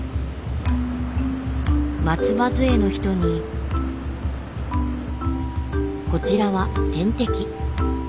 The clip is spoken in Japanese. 松葉づえの人にこちらは点滴。